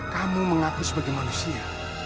kamu mengaku sebagai manusia